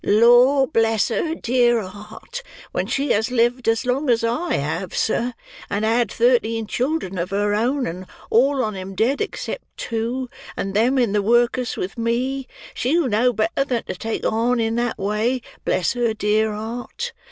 "Lor bless her dear heart, when she has lived as long as I have, sir, and had thirteen children of her own, and all on 'em dead except two, and them in the wurkus with me, she'll know better than to take on in that way, bless her dear heart!